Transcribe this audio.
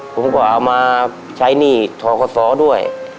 ผมก็เอามาใช้หนี้ทกศด้วย